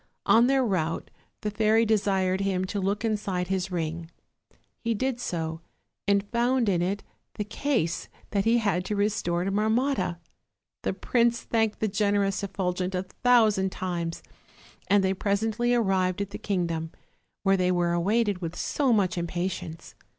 On their route the fairy desired him to look inside his ring; he did so, and found in it the case that he had to restore to Marmotta. The prince thanked the generous Effulgent a thousand times, and they presently arrived at the kingdom, where they were awaited with so much impatience.